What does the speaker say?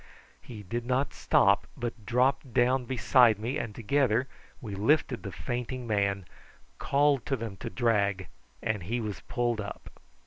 He did not stop, but dropped down beside me, and together we lifted the fainting man, called to them to drag, and he was pulled up.